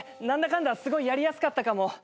何だかんだすごいやりやすかったかも。